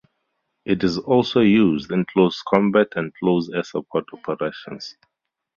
It is also used in close combat and close air support operations.